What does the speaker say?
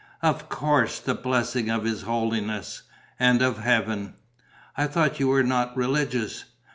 "Of course: the blessing of his holiness ... and of Heaven." "I thought you were not religious?"